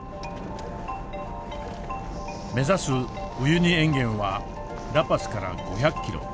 目指すウユニ塩原はラパスから５００キロ。